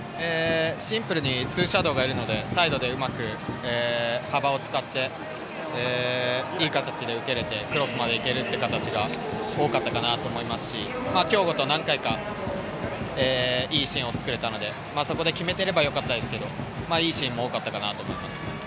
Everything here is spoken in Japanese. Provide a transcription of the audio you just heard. シンプルにツーシャドーでサイドでうまく、幅を使っていい形で受けられて、クロスも上げるっていう形が多かったと思いますし亨梧と何回かいいシーンを作れたのでそこで決めていればよかったですけどいいシーンも多かったなと思います。